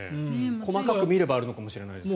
細かく見ればあるのかもしれませんが。